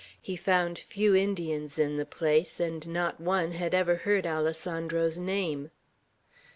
He found few Indians in the place, and not one had ever heard Alessandro's name.